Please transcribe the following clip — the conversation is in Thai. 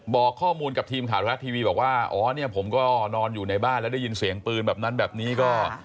บอกข้อมูลกับทีมข่าวทรัฐทีวีบอกว่าอ๋อเนี่ยผมก็นอนอยู่ในบ้านแล้วได้ยินเสียงปืนแบบนั้นแบบนี้ก็